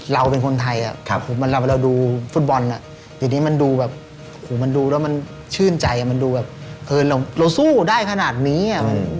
เรามีคนไทยอะเราดูฟุตบอลอะอย่างนี้มันดูชื่นใจมันดูแบบเราสู้ได้ขนาดนี้